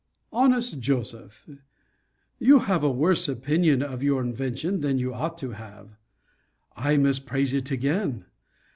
HONEST JOSEPH, You have a worse opinion of your invention than you ought to have. I must praise it again.